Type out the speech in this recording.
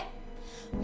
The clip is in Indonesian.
bu ingrid selamat siang